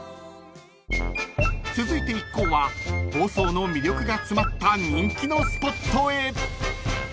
［続いて一行は房総の魅力が詰まった人気のスポットへ］